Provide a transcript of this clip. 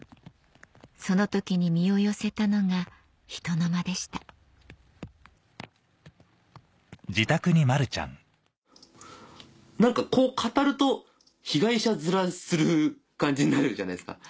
その時に身を寄せたのがひとのまでした何かこう語ると被害者面する感じになるじゃないですか。